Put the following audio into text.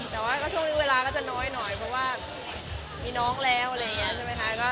แต่ว่าก็ช่วงนี้เวลาก็จะน้อยหน่อยเพราะว่ามีน้องแล้วอะไรอย่างนี้ใช่ไหมคะ